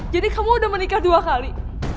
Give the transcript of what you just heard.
jadi kamu udah menikah dua kali